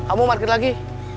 aku mau market lagi